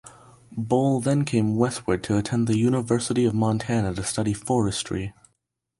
Bolle then came westward to attend the University of Montana to study forestry.